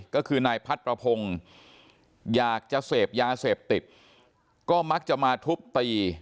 ก็คือนายพัดประพงศ์อยากจะเสพยาเสพติดก็มักจะมาทุบตี